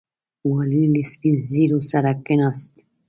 والي له سپین ږیرو سره کښېناست.